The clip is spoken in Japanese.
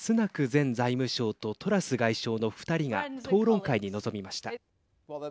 前財務相とトラス外相の２人が討論会に臨みました。